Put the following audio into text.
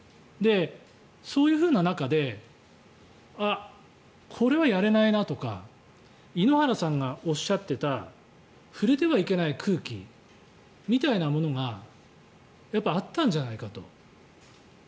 そういうふうな中であっ、これはやれないなとか井ノ原さんがおっしゃっていた触れてはいけない空気みたいなものがやっぱりあったんじゃないかと。